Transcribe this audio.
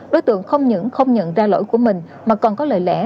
đối tượng không những không nhận ra lỗi của mình mà còn có lời lẽ